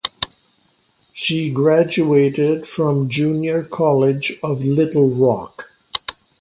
She graduated from Junior College of Little Rock.